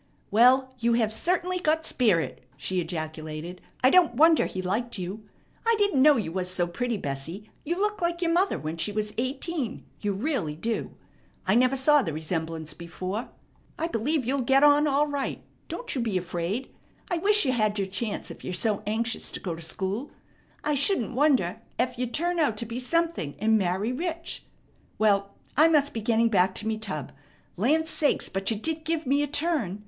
"Well, you certainly have got spirit," she ejaculated. "I don't wonder he liked you. I didn't know you was so pretty, Bessie; you look like your mother when she was eighteen; you really do. I never saw the resemblance before. I believe you'll get on all right. Don't you be afraid. I wish you had your chance if you're so anxious to go to school. I shouldn't wonder ef you'd turn out to be something and marry rich. Well, I must be getting back to me tub. Land sakes, but you did give me a turn.